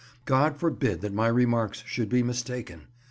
God forbid that my remarks should be mistaken.